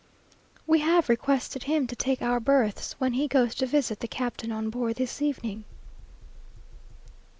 We have requested him to take our berths, when he goes to visit the captain on board this evening....